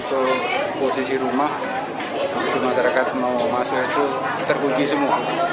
untuk posisi rumah semua masyarakat mau masuk itu terbunyi semua